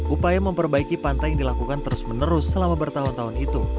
upaya memperbaiki pantai yang dilakukan terus menerus selama bertahun tahun itu